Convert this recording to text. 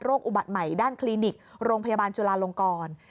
อุบัติใหม่ด้านคลินิกโรงพยาบาลจุลาลงกร